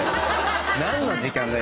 何の時間。